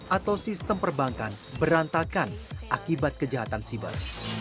atau sistem perbankan berantakan akibat kejahatan siber